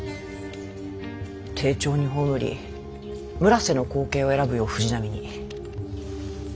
丁重に葬り村瀬の後継を選ぶよう藤波に。